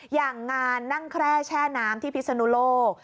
อย่างงานนั่งแคร่แช่น้ำที่พิศนุโลก